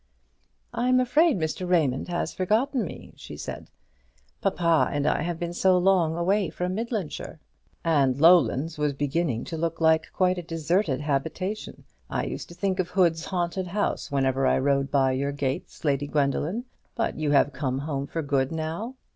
"I'm afraid Mr. Raymond has forgotten me," she said "papa and I have been so long away from Midlandshire." "And Lowlands was beginning to look quite a deserted habitation. I used to think of Hood's haunted house whenever I rode by your gates, Lady Gwendoline. But you have come home for good now?